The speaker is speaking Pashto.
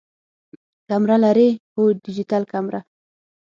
کمره لرئ؟ هو، ډیجیټل کمره